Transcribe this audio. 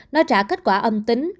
nó trả kết quả âm tính